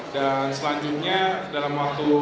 dan selanjutnya dalam waktu